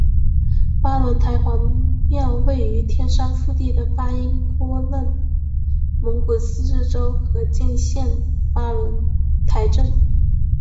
巴仑台黄庙位于天山腹地的巴音郭楞蒙古自治州和静县巴仑台镇。